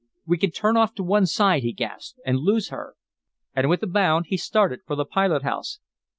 "We can turn off to one side!" he gasped, "and lose her!" And with a bound he started for the pilot house.